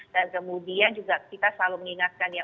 dan kemudian juga kita selalu mengingatkan ya